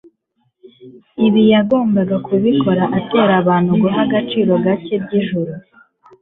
Ibi yagombaga kubikora atera abantu guha agaciro gake iby'ijuru,